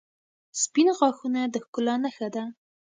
• سپین غاښونه د ښکلا نښه ده.